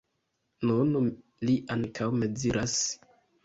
Nun li ankaŭ mizeras.